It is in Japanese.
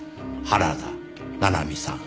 原田七海さん。